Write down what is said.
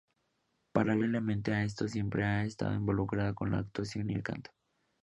Paralelamente a esto siempre ha estado involucrada con la actuación y el canto.